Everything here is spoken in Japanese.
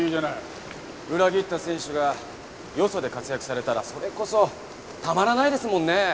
裏切った選手がよそで活躍されたらそれこそたまらないですもんねえ。